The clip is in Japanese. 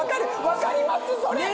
分かりますそれ！